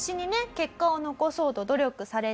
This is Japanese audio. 結果を残そうと努力されてですね